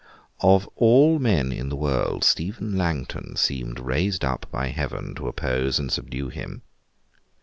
Of all men in the world, Stephen Langton seemed raised up by Heaven to oppose and subdue him.